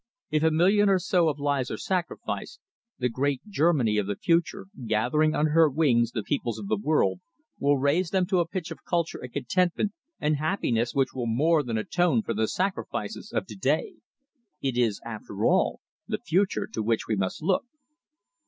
If a million or so of lives are sacrificed, the great Germany of the future, gathering under her wings the peoples of the world, will raise them to a pitch of culture and contentment and happiness which will more than atone for the sacrifices of to day. It is, after all, the future to which we must look."